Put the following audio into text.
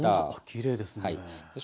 きれいですね。